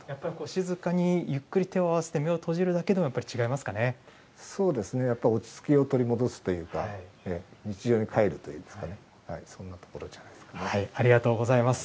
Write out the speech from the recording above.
静かにゆっくり手を合わせて目を閉じるだけでもやっぱり違いそうですね、やっぱり落ち着きを取り戻すというか、日常にかえるといいますかね、そんなとこありがとうございます。